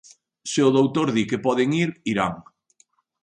Se o doutor di que poden ir, irán.